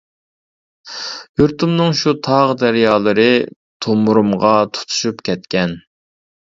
يۇرتۇمنىڭ شۇ تاغ-دەريالىرى، تومۇرۇمغا تۇتۇشۇپ كەتكەن!